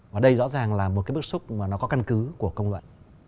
và đây rõ ràng là một bước xúc mà nó có căn cứ của công luận